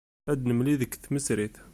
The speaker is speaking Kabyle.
Ad nemlil deg tmesrit.